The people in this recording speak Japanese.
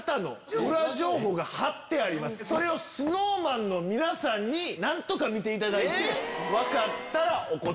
それをＳｎｏｗＭａｎの皆さんに何とか見ていただいて。